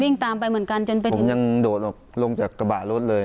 ตามไปเหมือนกันจนไปถึงยังโดดออกลงจากกระบะรถเลย